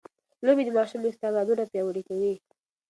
لوبې د ماشوم استعدادونه پياوړي کوي.